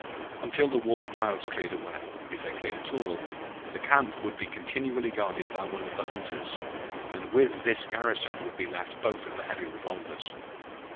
Until the war clouds cleared away, if they cleared at all, the camp would be continually guarded by one of the hunters, and with this garrison would be left both of the heavy revolvers.